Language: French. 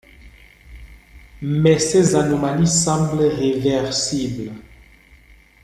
Mais ces anomalies semblent réversibles.